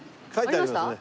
ありました？